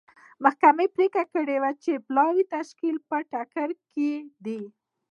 محکمې پرېکړه کړې وه چې پلاوي تشکیل په ټکر کې دی.